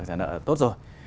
trả nợ tốt rồi